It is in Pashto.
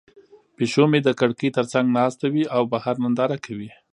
پیشو مې د کړکۍ تر څنګ ناسته وي او بهر ننداره کوي.